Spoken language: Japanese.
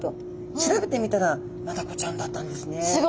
調べてみたらマダコちゃんだったんですね。